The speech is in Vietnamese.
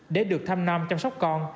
để được thăm nam chăm sóc con